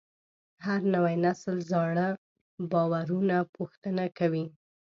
هر نوی نسل زاړه باورونه پوښتنه کوي.